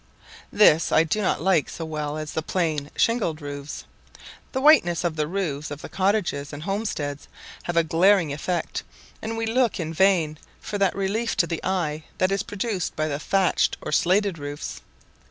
This I do not like so well as the plain shingled roofs; the whiteness of the roofs of the cottages and homesteads have a glaring effect, and we look in vain for that relief to the eye that is produced by the thatched or slated roofs.